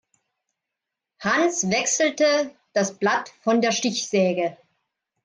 Hans wechselte das Blatt von der Stichsäge.